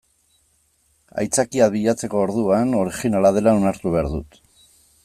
Aitzakiak bilatzeko orduan originala dela onartu behar dut.